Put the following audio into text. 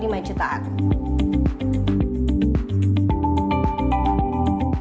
pembelian smartphone di tiongkok